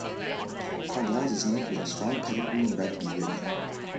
Clongowes is known for their strong pedigree in rugby union.